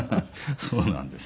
そうなんですよ。